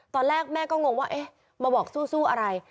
ตอนแรกแม่ก็งงว่าเอ๊ะมาบอกสู้อะไร